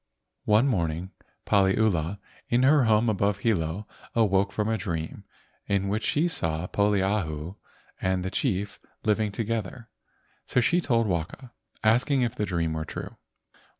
One morning Paliula in her home above Hilo awoke from a dream in which she saw Poliahu and the chief living together, so she told Waka, asking if the dream were true.